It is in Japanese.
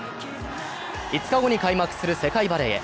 ５日後に開幕する世界バレーへ。